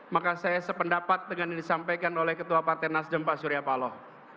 maka saya sependapat dengan yang disampaikan oleh ketua partai nasdem pak surya paloh